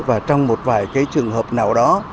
và trong một vài cái trường hợp nào đó